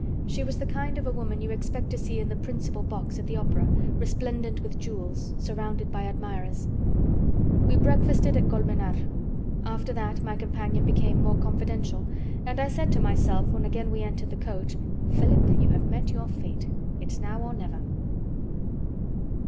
She was the kind of a woman you expect to see in the principal box at the opera, resplendent with jewels, surrounded by admirers. We breakfasted at Colmenar. After that my companion became more confidential, and I said to myself when we again entered the coach: "Philip, you have met your fate. It's now or never."